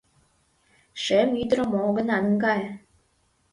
Шем ӱдырым огына наҥгае